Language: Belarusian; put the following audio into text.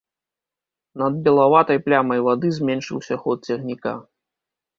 Над белаватай плямай вады зменшыўся ход цягніка.